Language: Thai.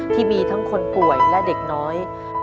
ที่มีทั้งคนป่วยและเด็กน้อย